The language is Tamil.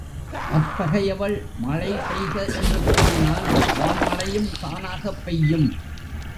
அத்தகையவள் மழை பெய்க என்று கூறினால் வான்மழையும் தானாகப் பெய்யும்.